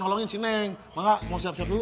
nolongin si neng maka mau siap siap dulu